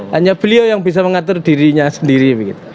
hanya beliau yang bisa mengatur dirinya sendiri